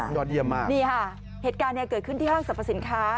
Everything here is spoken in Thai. ยอดเยี่ยมมากนี่ค่ะเหตุการณ์เนี่ยเกิดขึ้นที่ห้างสรรพสินค้า